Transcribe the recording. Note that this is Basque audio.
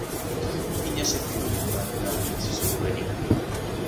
Mina sentimendu bat da, seguruenik.